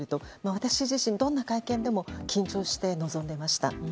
私自身どんな会見でも緊張して臨んでいました。